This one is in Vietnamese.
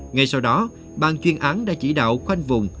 ngay sau đó ban chuyên án đã chỉ đạo khoanh vùng